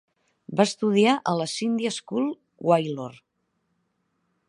Va estudiar a la Scindia School, Gwalior.